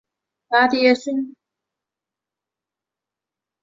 芽叠生。